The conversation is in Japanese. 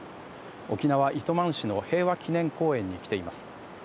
沖縄・糸満市の平和祈念公園に来ています。